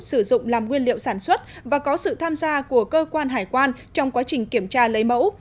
sử dụng làm nguyên liệu sản xuất và có sự tham gia của cơ quan hải quan trong quá trình kiểm tra lấy mẫu